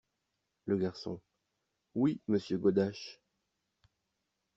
Le Garçon. — Oui, Monsieur Godache.